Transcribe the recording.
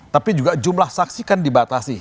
tapi juga jumlah saksi kan dibatasi